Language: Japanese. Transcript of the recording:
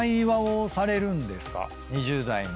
２０代の。